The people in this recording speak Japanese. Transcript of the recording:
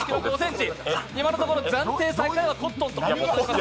今のところ暫定最下位はコットン。